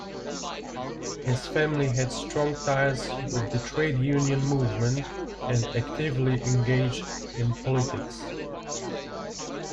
His family had strong ties with the trade-union movement, and actively engaged in politics.